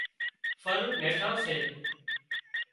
ڦل ميٺان سي